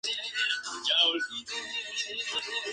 Los españoles no se quedaron a la zaga en precauciones defensivas.